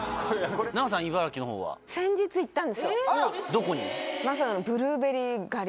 どこに？